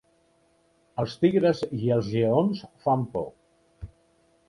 Els tigres i els lleons fan por.